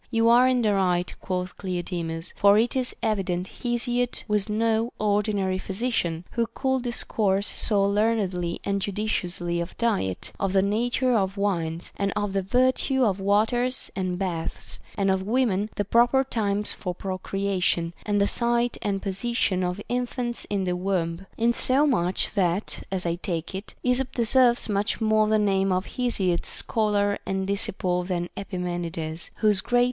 You are in the right, quoth Cleo demus ; for it is evident Hesiod was no ordinary physician, who could discourse so learnedly and judiciously of diet, of the nature of wines, and of the virtue of waters and baths, and of women, the proper times for procreation, and the site and position of infants in the womb ; insomuch, that (as I take it) Esop deserves much more the name of Hesiod's scholar and disciple than Epimenides, whose great * Hesiod, Works and Days, 41. 28 THE BANQUET OF THE SEVEN WISE MEN.